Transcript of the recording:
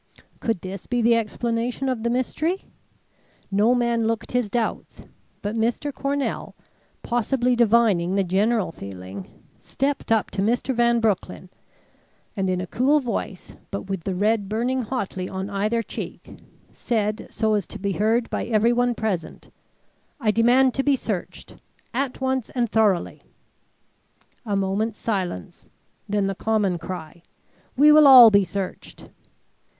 Could this be the explanation of the mystery? No man looked his doubts; but Mr. Cornell, possibly divining the general feeling, stepped up to Mr. Van Broecklyn and in a cool voice, but with the red burning hotly on either cheek, said so as to be heard by everyone present: "I demand to be searched at once and thoroughly." A moment's silence, then the common cry: "We will all be searched."